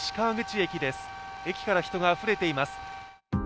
駅から人があふれています。